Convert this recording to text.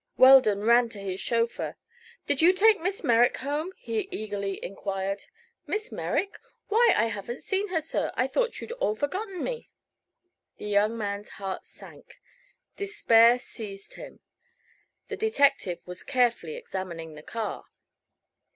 Weldon ran to his chauffeur. "Did you take Miss Merrick home?" he eagerly enquired. "Miss Merrick? Why, I haven't seen her, sir, I thought you'd all forgotten me." The young man's heart sank. Despair seized him. The detective was carefully examining the car.